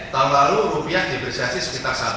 tahun lalu rupiah depreciasi sekitar